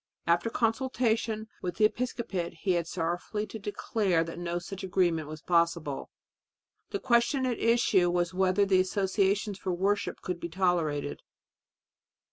After consultation with the episcopate he had sorrowfully to declare that no such arrangement was possible. The question at issue was whether the associations for worship could be tolerated.